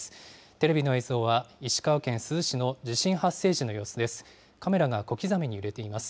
テレビの映像は、石川県珠洲市の地震発生時の様子です。